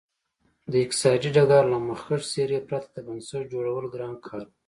د اقتصادي ډګر له مخکښې څېرې پرته د بنسټ جوړول ګران کار و.